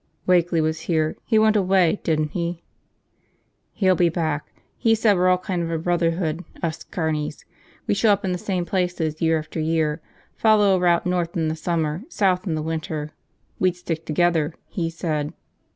"Wakeley was here, he went away, didn't he?" "He'll be back. He said we're all kind of a brotherhood, us carnies, we show up in the same places year after year, follow a route north in the summer, south in the winter. We'd stick together, he said."